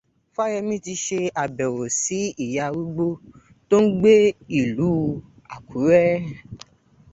Fáyẹmí ti ṣe àbẹ̀wò sí ìyá arúgbó tó ń gbé ìlú Àkúrẹ́